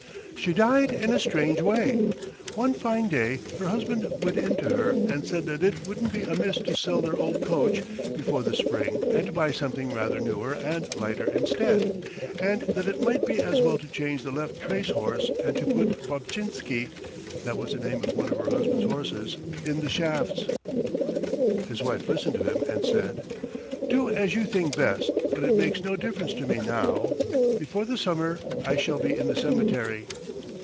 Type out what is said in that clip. "She died in a strange way. One fine day her husband went in to her and said that it wouldn't be amiss to sell their old coach before the spring and to buy something rather newer and lighter instead, and that it might be as well to change the left trace horse and to put Bobtchinsky (that was the name of one of her husband's horses) in the shafts. "His wife listened to him and said: "'Do as you think best, but it makes no difference to me now. Before the summer I shall be in the cemetery.'